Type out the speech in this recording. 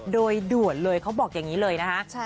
โดยด่วนเลยเขาบอกอย่างนี้เลยนะคะ